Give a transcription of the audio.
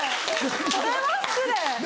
それは失礼。